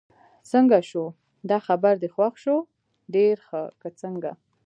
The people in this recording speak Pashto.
څنګه شو، دا خبر دې خوښ شو؟ ډېر ښه، که څنګه؟